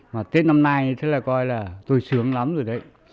mà tết năm nay thì coi là tôi sướng lắm rồi đấy